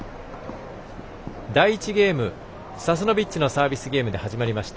第１ゲーム、サスノビッチのサービスゲームで始まりました。